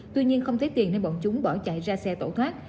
tuy nhiên không thấy tiền nên bọn chúng bỏ chạy ra xe tẩu thoát